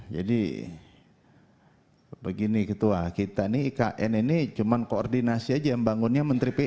jadi begini ketua kita ini ikn ini cuma koordinasi saja yang bangunnya menteri pu ketua